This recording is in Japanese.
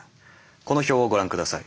この表をご覧下さい。